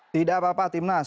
tidak apa apa timnas